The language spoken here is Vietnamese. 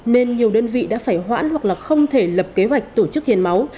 nên nhiều đơn vị đã phải hoãn hoặc không thể lập kế hoạch tổ chức hiền máu